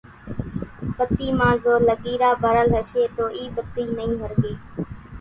ٻتي مان زو لگيرا ڀرل ھشي تو اِي ٻتي نئي ۿرڳي